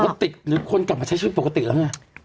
เขาติดหรือคนกลับมาใช้ชีวิตปกติแล้วไง